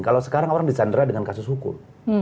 kalau sekarang orang disandera dengan kasus hukum